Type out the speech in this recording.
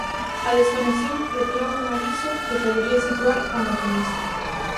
A desconexión retirou un aviso que podería situar ao maquinista.